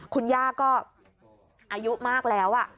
คุณย่าก็อายุมากแล้ว